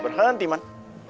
ntar pak berhenti man